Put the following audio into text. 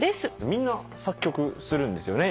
みんな作曲するんですよね